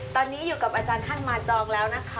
ตอนนี้อยู่กับอาจารย์ท่านมาจองแล้วนะคะ